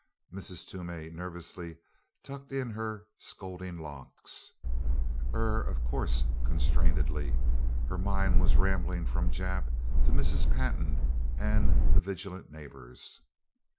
Mrs. Toomey nervously tucked in her "scolding locks." "Er of course," constrainedly. Her mind was rambling from Jap to Mrs. Pantin and the vigilant neighbors.